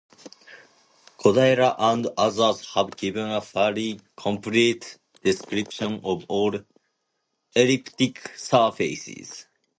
Kodaira and others have given a fairly complete description of all elliptic surfaces.